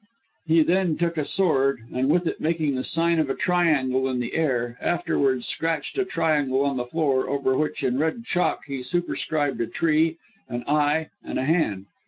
He then took a sword, and with it making the sign of a triangle in the air, afterwards scratched a triangle on the floor, over which, in red chalk, he superscribed a tree, an eye, and a hand.